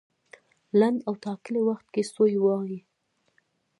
لنډ او ټاکلي وخت کې سوی وای.